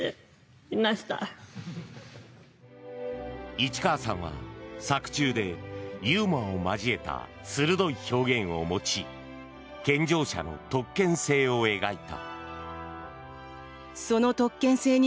市川さんは作中でユーモアを交えた鋭い表現を持ち健常者の特権性を描いた。